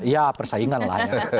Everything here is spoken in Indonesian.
ya persaingan lah ya